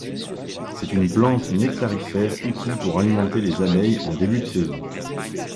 C'est une plante nectarifère utile pour alimenter les abeilles en début de saison.